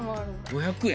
５００円